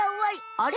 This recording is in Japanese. あれ？